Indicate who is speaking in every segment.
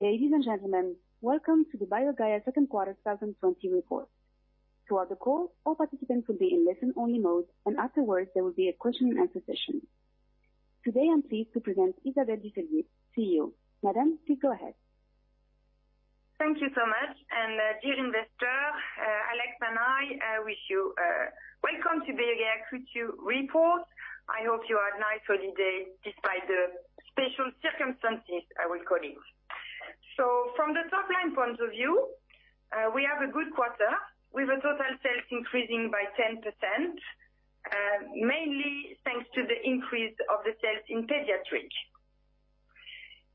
Speaker 1: Ladies and gentlemen, welcome to the BioGaia second quarter 2020 report. Throughout the call, all participants will be in listen-only mode, and afterwards there will be a question-and-answer session. Today, I'm pleased to present Isabelle Ducellier, CEO. Madame, please go ahead.
Speaker 2: Thank you so much. And dear investors, Alex and I, I wish you a welcome to BioGaia Q2 report. I hope you had a nice holiday despite the special circumstances, I will call it. So, from the top-line point of view, we have a good quarter with total sales increasing by 10%, mainly thanks to the increase of the sales in pediatrics.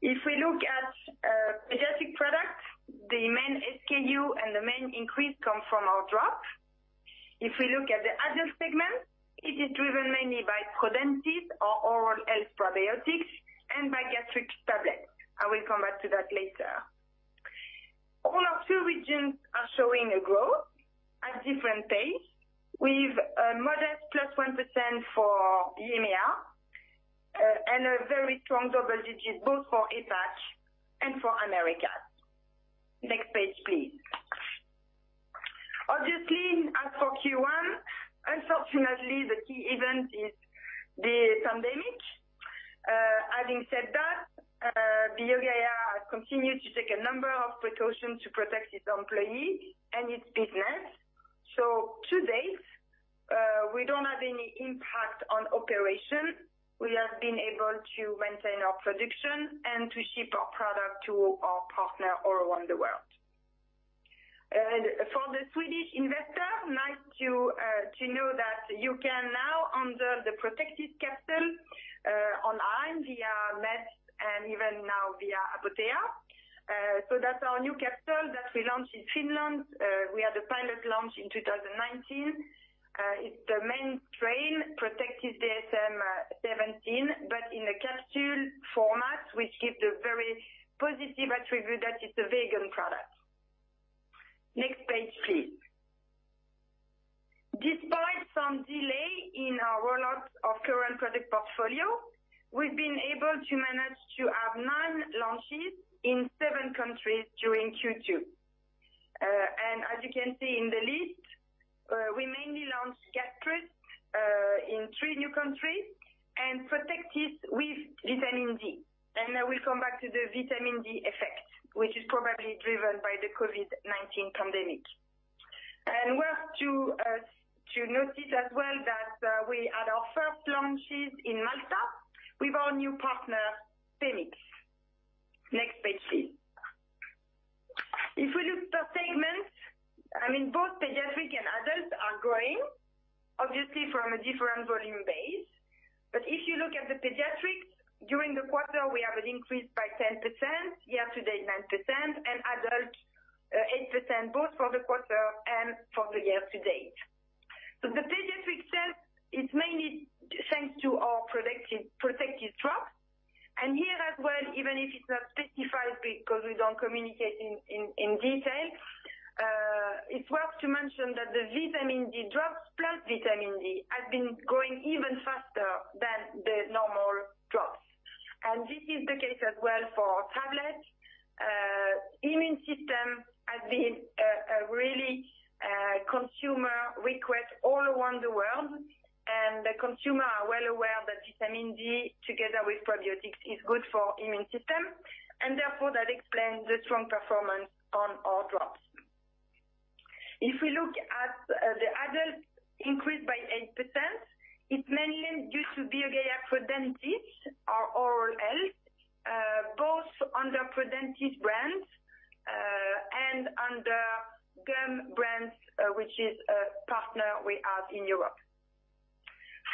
Speaker 2: If we look at pediatric products, the main SKU and the main increase come from our drops. If we look at the adult segment, it is driven mainly by Prodentis, our oral health probiotics, and by Gastrus tablets. I will come back to that later. All our two regions are showing a growth at different pace, with a modest plus 1% for EMEA and a very strong double digit both for APAC and for America. Next page, please. Obviously, as for Q1, unfortunately, the key event is the pandemic. Having said that, BioGaia has continued to take a number of precautions to protect its employees and its business. So, to date, we don't have any impact on operations. We have been able to maintain our production and to ship our product to our partner all around the world. For the Swedish investor, nice to know that you can now, order the Protectis online, via Meds and even now via Apotea. So, that's our new Protectis that we launched in Finland. We had a pilot launch in 2019. It's the main strain, Protectis DSM 17938, but in the capsule format, which gives the very positive attribute that it's a vegan product. Next page, please. Despite some delay in our rollout of current product portfolio, we've been able to manage to have nine launches in seven countries during Q2. As you can see in the list, we mainly launched Gastrus in three new countries and Protectis with vitamin D. I will come back to the vitamin D effect, which is probably driven by the COVID-19 pandemic. It's worth noting as well that we had our first launches in Malta with our new partner, Phoenix. Next page, please. If we look per segment, I mean, both pediatric and adult are growing, obviously, from a different volume base. But if you look at the pediatrics, during the quarter, we have an increase by 10%, year-to-date 9%, and adult 8%, both for the quarter and for the year-to-date. The pediatric sales, it's mainly thanks to our Protectis drops. And here as well, even if it's not specified because we don't communicate in detail, it's worth mentioning that the vitamin D drops plus vitamin D have been growing even faster than the normal drops. And this is the case as well for tablets. Immune system has been a really consumer request all around the world, and the consumer is well aware that vitamin D, together with probiotics, is good for the immune system. And therefore, that explains the strong performance on our drops. If we look at the adult increase by 8%, it's mainly due to BioGaia Prodentis, our oral health, both under Prodentis brand and under GUM brand, which is a partner we have in Europe.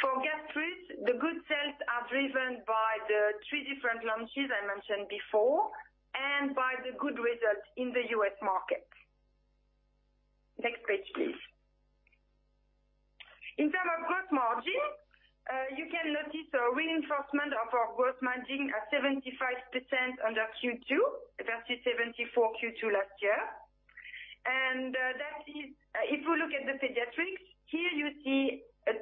Speaker 2: For Gastrus, the good sales are driven by the three different launches I mentioned before and by the good results in the US market. Next page, please. In terms of gross margin, you can notice a reinforcement of our gross margin at 75% in Q2 versus 74% Q2 last year. And that is, if we look at the pediatrics, here you see a 3%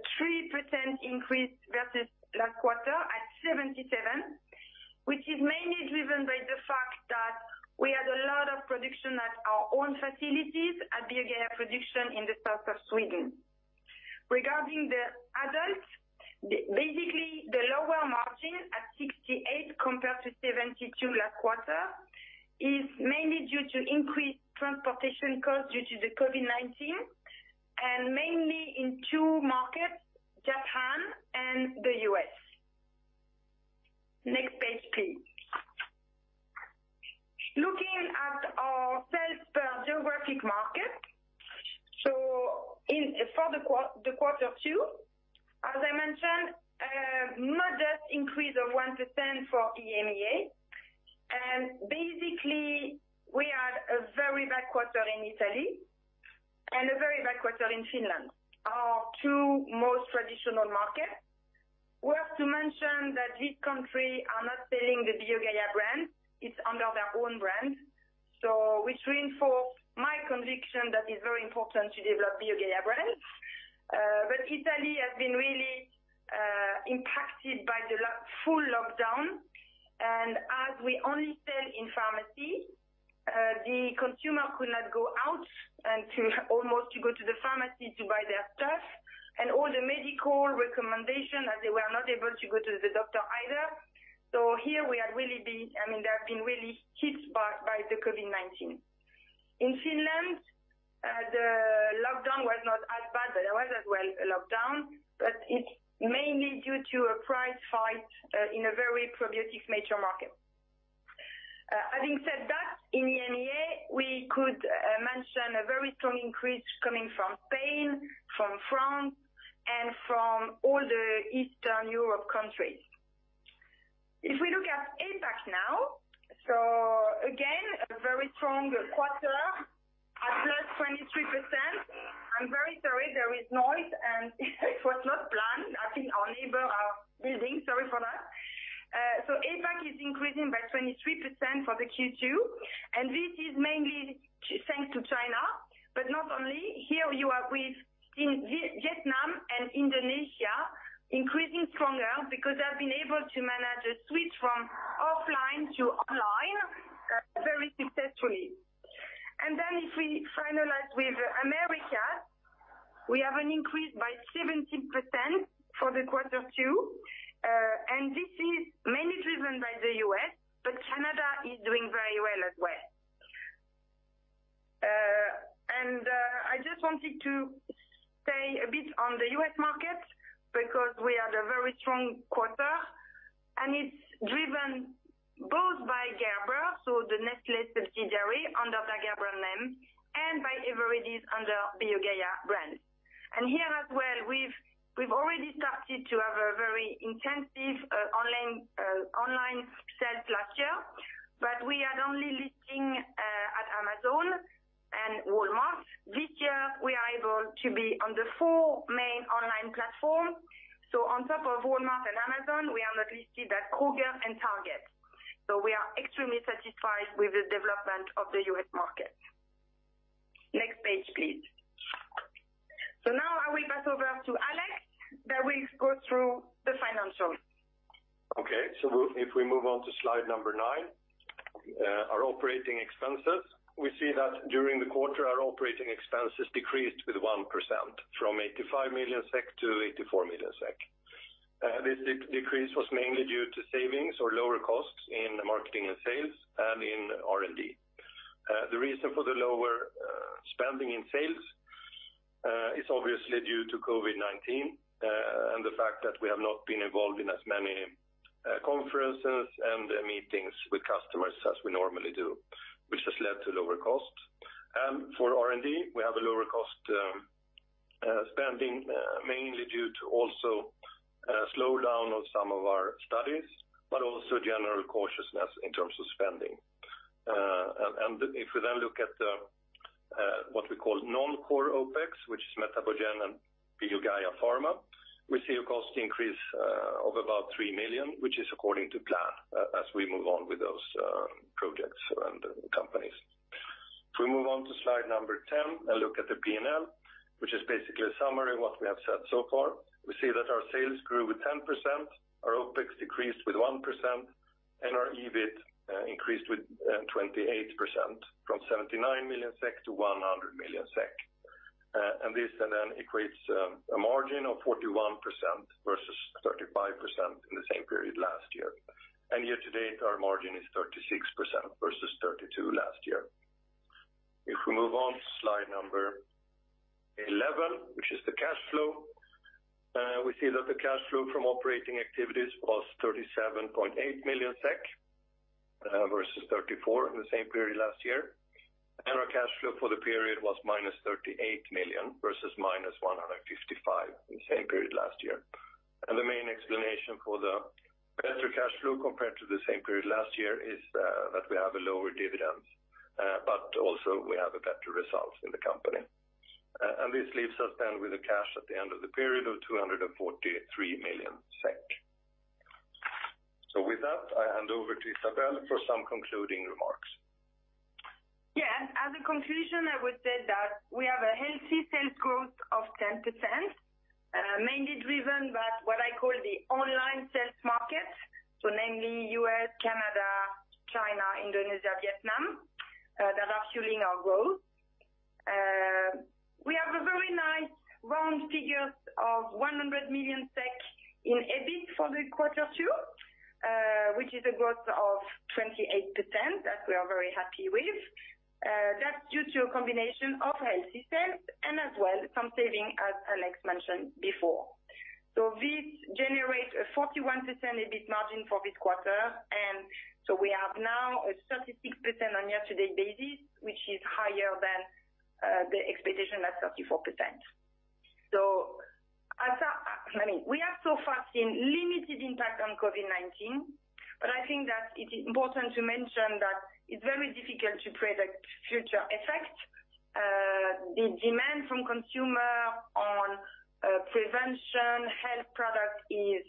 Speaker 2: increase versus last quarter at 77%, which is mainly driven by the fact that we had a lot of production at our own facilities at BioGaia Production in the south of Sweden. Regarding the adult, basically, the lower margin at 68% compared to 72% last quarter is mainly due to increased transportation costs due to the COVID-19, and mainly in two markets, Japan and the US. Next page, please. Looking at our sales per geographic market, so for the quarter two, as I mentioned, a modest increase of 1% for EMEA. And basically, we had a very bad quarter in Italy and a very bad quarter in Finland, our two most traditional markets. It's worth mentioning that these countries are not selling the BioGaia brand. It's under their own brand, so which reinforced my conviction that it's very important to develop BioGaia brand, but Italy has been really impacted by the full lockdown, and as we only sell in pharmacies, the consumer could not go out and almost go to the pharmacy to buy their stuff, and all the medical recommendations, as they were not able to go to the doctor either, so here, we had really been, I mean, there have been really hit by the COVID-19. In Finland, the lockdown was not as bad, but there was as well a lockdown, but it's mainly due to a price fight in a very probiotic major market. Having said that, in EMEA, we could mention a very strong increase coming from Spain, from France, and from all the Eastern Europe countries. If we look at APAC now, so again, a very strong quarter at 23%. I'm very sorry, there is noise, and it was not planned. I think our neighbor is building. Sorry for that. So APAC is increasing by 23% for the Q2. And this is mainly thanks to China, but not only. Here you have with Vietnam and Indonesia increasing stronger because they have been able to manage a switch from offline to online very successfully. And then if we finalize with America, we have an increase by 17% for the quarter two. And this is mainly driven by the US, but Canada is doing very well as well. And I just wanted to stay a bit on the US market because we had a very strong quarter. And it's driven both by Gerber, so the Nestlé subsidiary under the Gerber name, and by Everidis under BioGaia brand. And here as well, we've already started to have a very intensive online sales last year, but we had only listing at Amazon and Walmart. This year, we are able to be on the four main online platforms. So on top of Walmart and Amazon, we are now listed at Kroger and Target. So we are extremely satisfied with the development of the U.S. market. Next page, please. So now I will pass over to Alex that will go through the financials.
Speaker 3: Okay, so if we move on to slide number nine, our operating expenses, we see that during the quarter, our operating expenses decreased with 1% from 85 million SEK to 84 million SEK. This decrease was mainly due to savings or lower costs in marketing and sales and in R&D. The reason for the lower spending in sales is obviously due to COVID-19 and the fact that we have not been involved in as many conferences and meetings with customers as we normally do, which has led to lower costs, and for R&D, we have a lower cost spending mainly due to also a slowdown of some of our studies, but also general cautiousness in terms of spending. If we then look at what we call non-core OPEX, which is Metabogen and BioGaia Pharma, we see a cost increase of about three million SEK, which is according to plan as we move on with those projects and companies. If we move on to slide number 10 and look at the P&L, which is basically a summary of what we have said so far, we see that our sales grew with 10%, our OPEX decreased with 1%, and our EBIT increased with 28% from 79 million SEK to 100 million SEK. This then equates a margin of 41% versus 35% in the same period last year. Year-to-date, our margin is 36% versus 32% last year. If we move on to slide number 11, which is the cash flow, we see that the cash flow from operating activities was 37.8 million SEK versus 34 million SEK in the same period last year. Our cash flow for the period was minus 38 million SEK versus minus 155 million SEK in the same period last year. The main explanation for the better cash flow compared to the same period last year is that we have a lower dividend, but also we have better results in the company. This leaves us then with cash at the end of the period of 243 million SEK. With that, I hand over to Isabelle for some concluding remarks.
Speaker 2: Yeah. As a conclusion, I would say that we have a healthy sales growth of 10%, mainly driven by what I call the online sales market, so namely U.S., Canada, China, Indonesia, Vietnam, that are fueling our growth. We have a very nice round figure of 100 million SEK in EBIT for the quarter two, which is a growth of 28% that we are very happy with. That's due to a combination of healthy sales and as well some saving, as Alex mentioned before. So this generates a 41% EBIT margin for this quarter. And so we have now a 36% on year-to-date basis, which is higher than the expectation at 34%. So I mean, we have so far seen limited impact on COVID-19, but I think that it is important to mention that it's very difficult to predict future effects. The demand from consumers on prevention health products is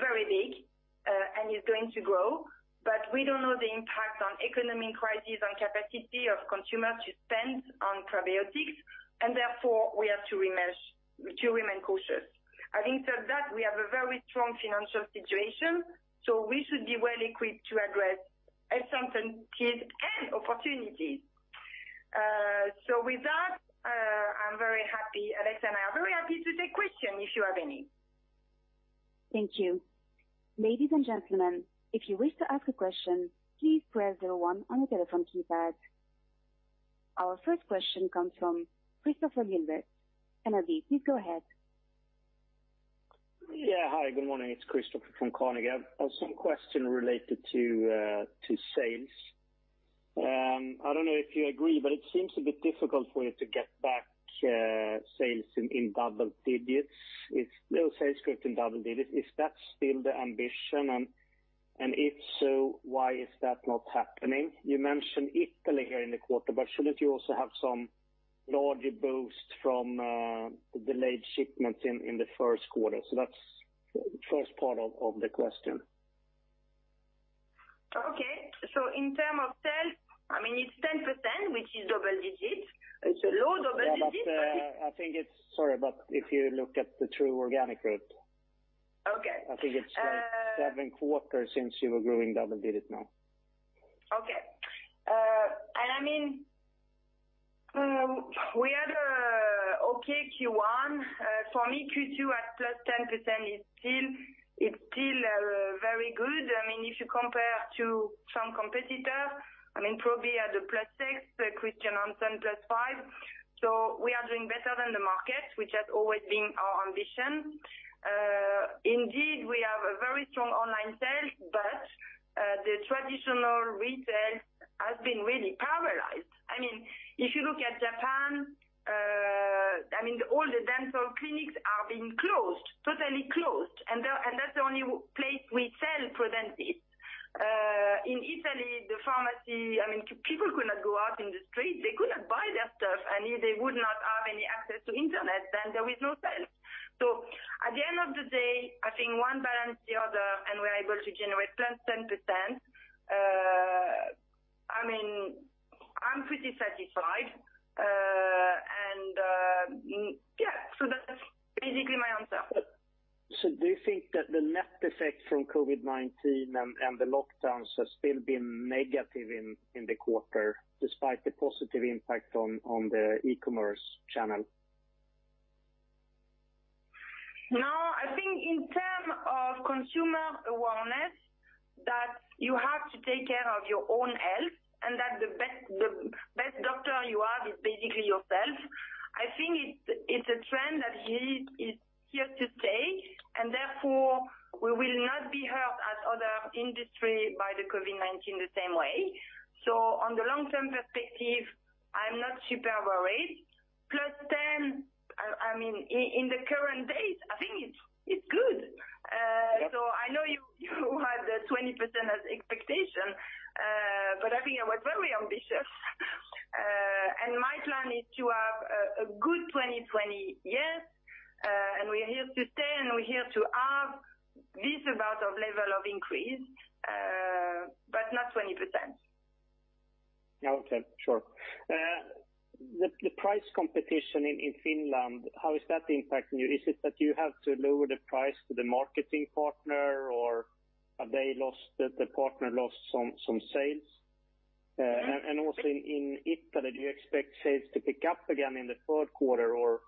Speaker 2: very big and is going to grow, but we don't know the impact on economic crises on capacity of consumers to spend on probiotics, and therefore, we have to remain cautious. Having said that, we have a very strong financial situation, so we should be well equipped to address uncertainties and opportunities, so with that, I'm very happy. Alex and I are very happy to take questions if you have any.
Speaker 1: Thank you. Ladies and gentlemen, if you wish to ask a question, please press 01 on the telephone keypad. Our first question comes from Kristofer Liljeberg, Carnegie. Please go ahead.
Speaker 4: Yeah. Hi, good morning. It's Kristofer from Carnegie. I have some questions related to sales. I don't know if you agree, but it seems a bit difficult for you to get back sales in double digits. It's still sales growth in double digits. Is that still the ambition? And if so, why is that not happening? You mentioned Italy here in the quarter, but shouldn't you also have some larger boost from the delayed shipments in the first quarter? So that's the first part of the question.
Speaker 2: Okay. So in terms of sales, I mean, it's 10%, which is double digits. It's a low double digits.
Speaker 4: I think it's, sorry, but if you look at the true organic growth, I think it's seven quarters since you were growing double digits now.
Speaker 2: Okay. And I mean, we had an okay Q1. For me, Q2 at plus 10% is still very good. I mean, if you compare to some competitors, I mean, Probi had a plus 6%, Chr. Hansen plus 5%. So we are doing better than the market, which has always been our ambition. Indeed, we have a very strong online sales, but the traditional retail has been really paralyzed. I mean, if you look at Japan, I mean, all the dental clinics are being closed, totally closed. And that's the only place we sell Prodentis. In Italy, the pharmacy, I mean, people could not go out in the street. They could not buy their stuff, and if they would not have any access to internet, then there was no sales. So at the end of the day, I think one balanced the other, and we are able to generate plus 10%. I mean, I'm pretty satisfied, and yeah, so that's basically my answer.
Speaker 4: So do you think that the net effect from COVID-19 and the lockdowns has still been negative in the quarter despite the positive impact on the e-commerce channel?
Speaker 2: No. I think in terms of consumer awareness, that you have to take care of your own health and that the best doctor you have is basically yourself. I think it's a trend that is here to stay, and therefore, we will not be hurt as other industries by the COVID-19 the same way. So on the long-term perspective, I'm not super worried. Plus 10%, I mean, in the current days, I think it's good. So I know you had the 20% expectation, but I think I was very ambitious. And my plan is to have a good 2020 year. We are here to stay, and we're here to have this amount of level of increase, but not 20%.
Speaker 4: Okay. Sure. The price competition in Finland, how is that impacting you? Is it that you have to lower the price to the marketing partner, or has the partner lost some sales? And also in Italy, do you expect sales to pick up again in the third quarter, or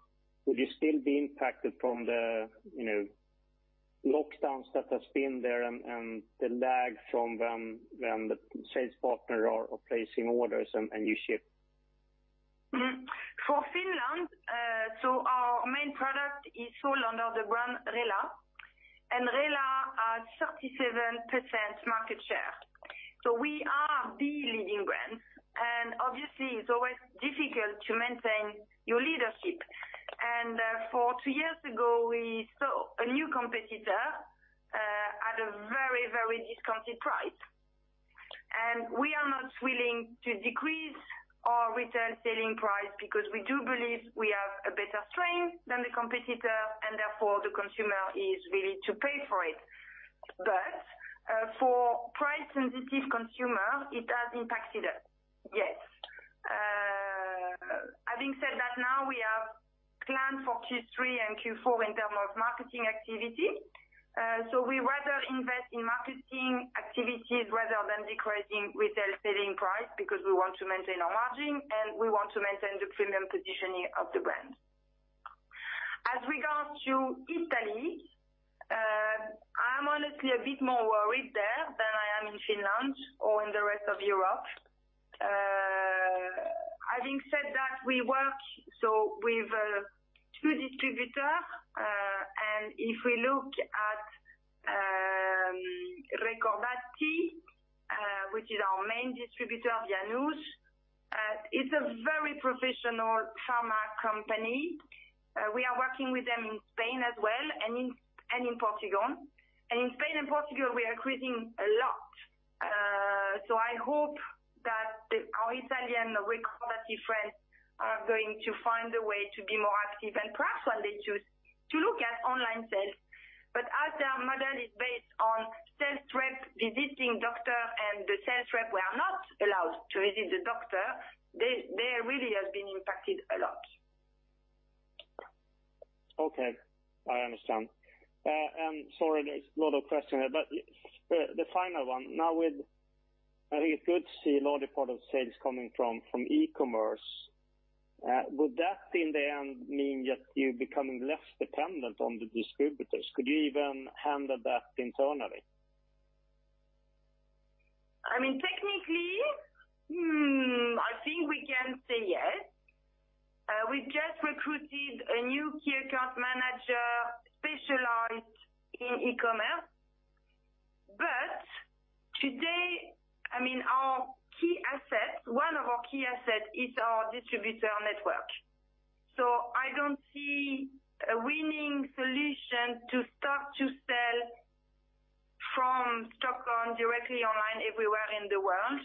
Speaker 4: would you still be impacted from the lockdowns that have been there and the lag from when the sales partners are placing orders and you ship?
Speaker 2: For Finland, so our main product is sold under the brand Rela, and Rela has 37% market share, so we are the leading brand. Obviously, it's always difficult to maintain your leadership, and two years ago, we saw a new competitor at a very, very discounted price. We are not willing to decrease our retail selling price because we do believe we have a better strength than the competitor, and therefore, the consumer is willing to pay for it. But for price-sensitive consumers, it has impacted us. Yes. Having said that, now we have planned for Q3 and Q4 in terms of marketing activity, so we rather invest in marketing activities rather than decreasing retail selling price because we want to maintain our margin, and we want to maintain the premium positioning of the brand. As regards to Italy, I'm honestly a bit more worried there than I am in Finland or in the rest of Europe. Having said that, we work with two distributors, and if we look at Recordati, which is our main distributor, Milan, it's a very professional pharma company. We are working with them in Spain as well and in Portugal, and in Spain and Portugal, we are increasing a lot, so I hope that our Italian Recordati friends are going to find a way to be more active and perhaps one day to look at online sales, but as their model is based on sales rep visiting doctor and the sales rep were not allowed to visit the doctor, they really have been impacted a lot.
Speaker 4: Okay. I understand, and sorry, there's a lot of questions, but the final one. Now, I think it's good to see a large part of sales coming from e-commerce. Would that, in the end, mean that you're becoming less dependent on the distributors? Could you even handle that internally?
Speaker 2: I mean, technically, I think we can say yes. We've just recruited a new key account manager specialized in e-commerce. But today, I mean, our key asset, one of our key assets, is our distributor network. So I don't see a winning solution to start to sell from Stockholm directly online everywhere in the world.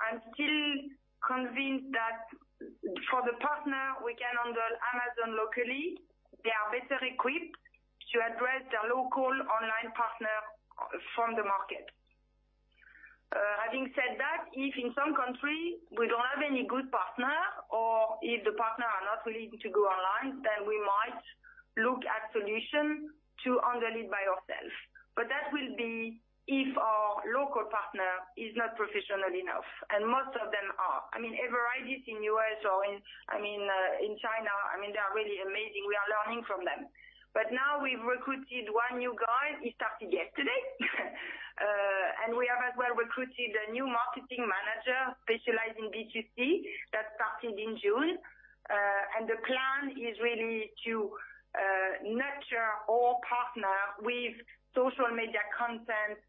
Speaker 2: I'm still convinced that for the partner, we can handle Amazon locally. They are better equipped to address their local online partner from the market. Having said that, if in some country we don't have any good partner or if the partner are not willing to go online, then we might look at solutions to handle it by ourselves. But that will be if our local partner is not professional enough, and most of them are. I mean, Everidis is in the U.S. or in, I mean, in China. I mean, they are really amazing. We are learning from them. But now we've recruited one new guy. He started yesterday. And we have as well recruited a new marketing manager specialized in B2C that started in June. And the plan is really to nurture all partners with social media content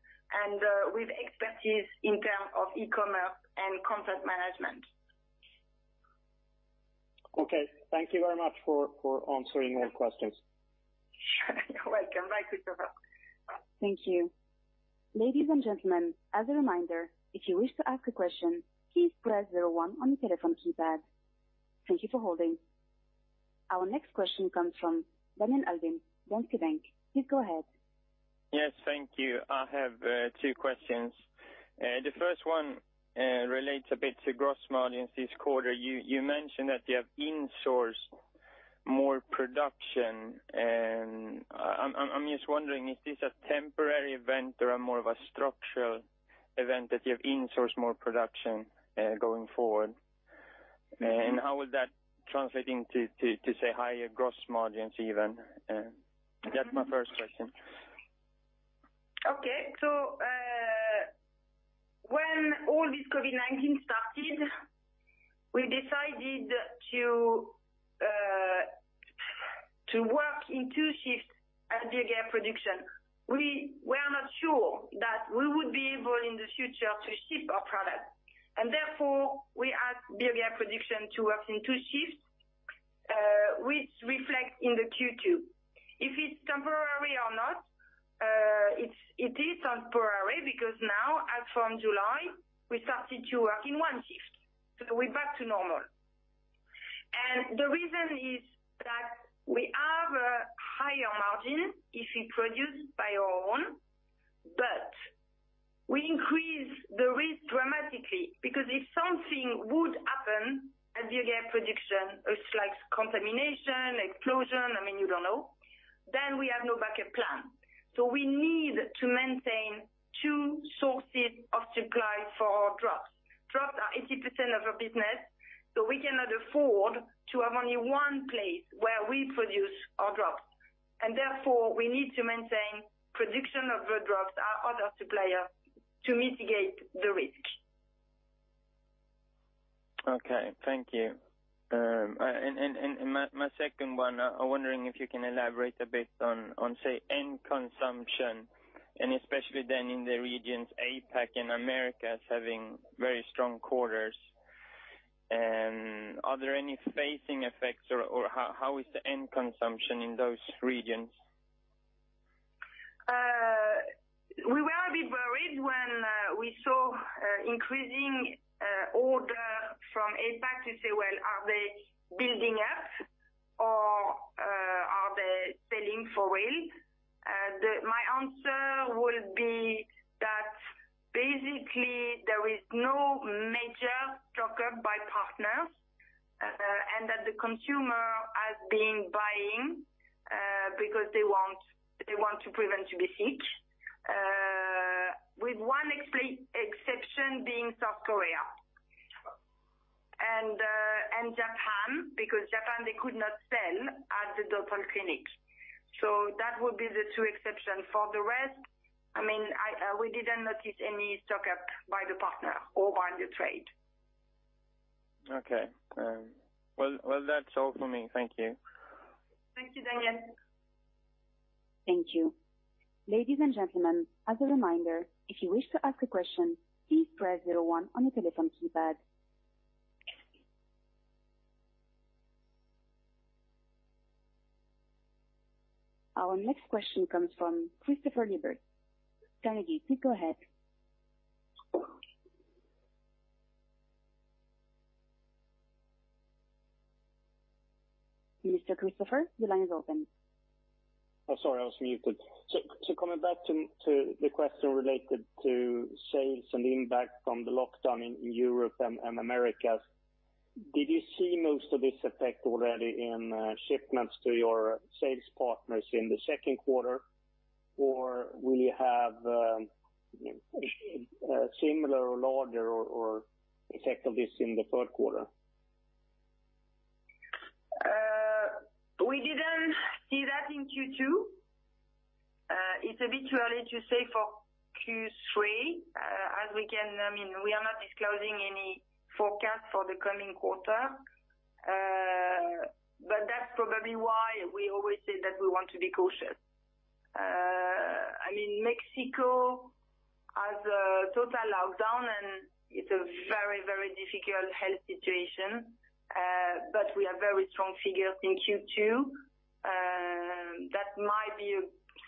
Speaker 2: and with expertise in terms of e-commerce and content management.
Speaker 4: Okay. Thank you very much for answering all questions.
Speaker 2: You're welcome. Bye, Kristofer.
Speaker 1: Thank you. Ladies and gentlemen, as a reminder, if you wish to ask a question, please press 01 on the telephone keypad. Thank you for holding. Our next question comes from Daniel Albin. Danske Bank. Please go ahead.
Speaker 5: Yes, thank you. I have two questions. The first one relates a bit to gross margins this quarter. You mentioned that you have insourced more production. I'm just wondering, is this a temporary event or more of a structural event that you have insourced more production going forward? And how would that translate into to say higher gross margins even? That's my first question.
Speaker 2: Okay. So when all this COVID-19 started, we decided to work in two shifts at BioGaia Production. We were not sure that we would be able in the future to ship our product. And therefore, we asked BioGaia Production to work in two shifts, which reflects in the Q2. If it's temporary or not, it is temporary because now, as from July, we started to work in one shift. So we're back to normal. And the reason is that we have a higher margin if we produce by our own, but we increase the risk dramatically because if something would happen at BioGaia Production, like contamination, explosion, I mean, you don't know, then we have no backup plan. So we need to maintain two sources of supply for our drugs. Drugs are 80% of our business, so we cannot afford to have only one place where we produce our drugs. Therefore, we need to maintain production of our drugs at other suppliers to mitigate the risk.
Speaker 5: Okay. Thank you. And my second one, I'm wondering if you can elaborate a bit on, say, end consumption, and especially then in the regions APAC and Americas having very strong quarters. Are there any phasing effects, or how is the end consumption in those regions?
Speaker 2: We were a bit worried when we saw increasing order from APAC to say, "Well, are they building up or are they selling for real?" My answer will be that basically, there is no major stock up by partners and that the consumer has been buying because they want to prevent to be sick, with one exception being South Korea and Japan, because Japan, they could not sell at the dental clinic. So that would be the two exceptions. For the rest, I mean, we didn't notice any stock up by the partner or by the trade.
Speaker 5: Okay. Well, that's all for me. Thank you.
Speaker 2: Thank you, Daniel.
Speaker 1: Thank you. Ladies and gentlemen, as a reminder, if you wish to ask a question, please press 01 on the telephone keypad. Our next question comes from Kristofer Liljeberg. Carnegie, please go ahead. Mr. Kristofer, the line is open.
Speaker 4: Oh, sorry, I was muted. So coming back to the question related to sales and the impact from the lockdown in Europe and Americas, did you see most of this effect already in shipments to your sales partners in the second quarter, or will you have similar or larger effect of this in the third quarter?
Speaker 2: We didn't see that in Q2. It's a bit too early to say for Q3, as we can, I mean, we are not disclosing any forecast for the coming quarter. But that's probably why we always say that we want to be cautious. I mean, Mexico has a total lockdown, and it's a very, very difficult health situation. But we have very strong figures in Q2. That might be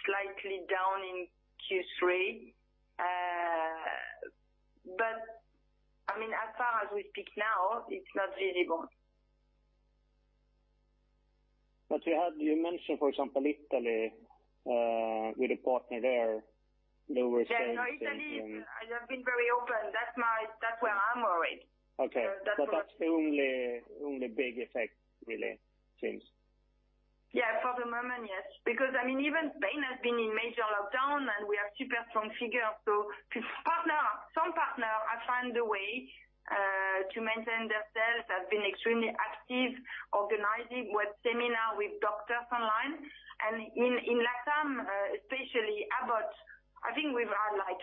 Speaker 2: slightly down in Q3. But I mean, as far as we speak now, it's not visible.
Speaker 4: But you mentioned, for example, Italy with a partner there, lower sales.
Speaker 2: Yeah. No, Italy has been very open. That's where I'm worried.
Speaker 4: Okay, but that's the only big effect, really, seems.
Speaker 2: Yeah. For the moment, yes. Because, I mean, even Spain has been in major lockdown, and we have super strong figures. So some partners have found a way to maintain their sales. They have been extremely active organizing web seminars with doctors online. And in Latam, especially, I think we've had like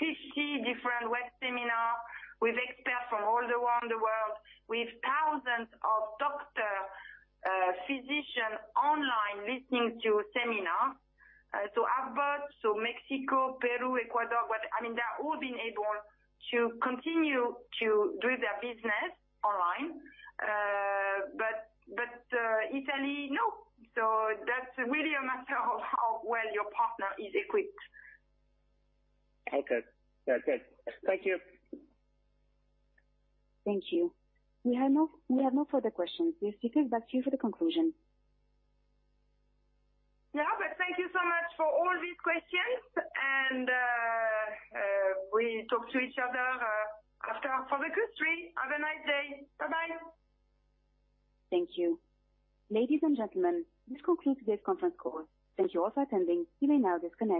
Speaker 2: 50 different web seminars with experts from all around the world. We've thousands of doctors, physicians online listening to seminars. So Mexico, Peru, Ecuador, I mean, they've all been able to continue to do their business online. But Italy, no. So that's really a matter of where your partner is equipped.
Speaker 4: Okay. That's it. Thank you.
Speaker 1: Thank you. We have no further questions. We have to go back to you for the conclusion.
Speaker 2: Yeah, but thank you so much for all these questions, and we talk to each other after for the Q3. Have a nice day. Bye-bye.
Speaker 1: Thank you. Ladies and gentlemen, this concludes today's conference call. Thank you all for attending. You may now disconnect.